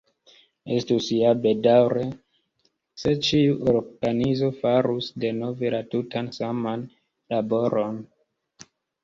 Estus ja bedaŭre, se ĉiu organizo farus denove la tutan saman laboron.